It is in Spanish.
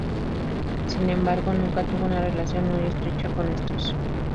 Sin embargo, nunca tuvo una relación muy estrecha con estos.